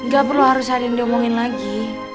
gak perlu harus sadarin dia omongin lagi